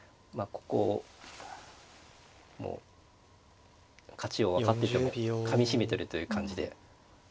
ここもう勝ちを分かっててもかみしめてるという感じで。